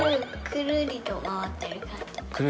くるりと回ってる感じ。